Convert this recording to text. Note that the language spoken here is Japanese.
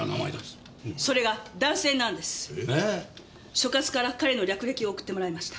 所轄から彼の略歴を送ってもらいました。